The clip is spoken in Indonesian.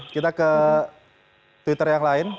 kita ke twitter yang lain